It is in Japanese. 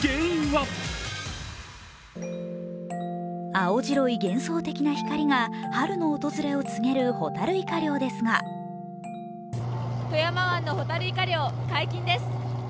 青白い幻想的な光が春の訪れを告げるホタルイカ漁ですが富山湾のホタルイカ漁、解禁です。